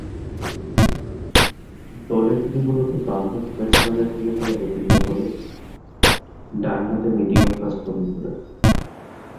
দলে তিনি মূলতঃ বামহাতি ব্যাটসম্যানের ভূমিকায় অবতীর্ণ হলেও ডানহাতে মিডিয়াম-ফাস্ট বোলিং করে থাকেন।